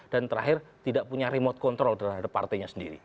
dan terakhir tidak punya remote control terhadap partainya sendiri